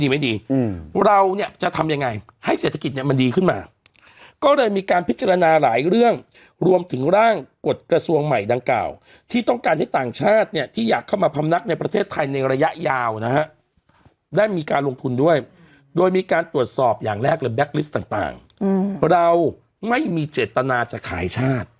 เราเนี่ยจะทำยังไงให้เศรษฐกิจเนี่ยมันดีขึ้นมาก็เลยมีการพิจารณาหลายเรื่องรวมถึงร่างกฎกระทรวงใหม่ดังกล่าวที่ต้องการให้ต่างชาติเนี่ยที่อยากเข้ามาพำนักในประเทศไทยในระยะยาวนะฮะได้มีการลงทุนด้วยโดยมีการตรวจสอบอย่างแรกเลยแก๊กลิสต์ต่างเราไม่มีเจตนาจะขายชาติ